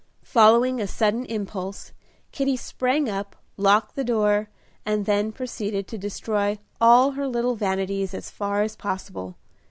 Following a sudden impulse, Kitty sprang up, locked the door, and then proceeded to destroy all her little vanities as far as possible.